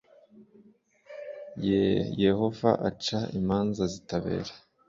ye yehova aca imanza zitabera